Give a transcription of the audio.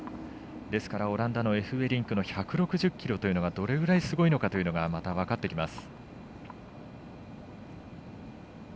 ですから、オランダのエフベリンクの１６０キロというのがどれぐらいすごいのかというのがまた分かってきます。